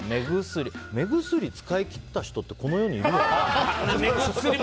目薬使い切った人ってこの世にいるのかな？